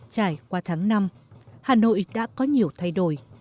trải qua tháng năm hà nội đã có nhiều thay đổi